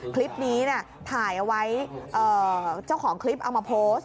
คลิปนี้ถ่ายเอาไว้เจ้าของคลิปเอามาโพสต์